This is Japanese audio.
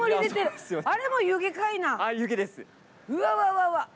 うわわわわ。